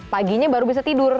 paginya baru bisa tidur